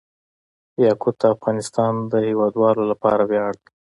یاقوت د افغانستان د هیوادوالو لپاره ویاړ دی.